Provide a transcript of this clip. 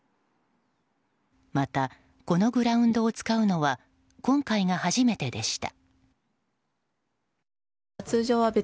また、このグラウンドを使うのは今回が初めてでした。